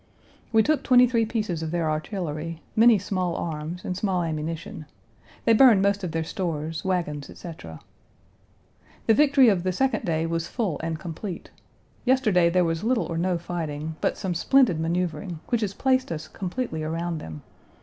We took twenty three pieces of their artillery, many small arms, and small ammunition. They burned most of their stores, wagons, etc. The victory of the second day was full and complete. Yesterday there was little or no fighting, but some splendid maneuvering, which has placed us completely around them.